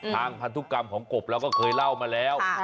พันธุกรรมของกบเราก็เคยเล่ามาแล้ว